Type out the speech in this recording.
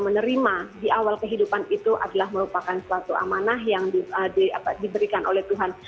menerima di awal kehidupan itu adalah merupakan suatu amanah yang diberikan oleh tuhan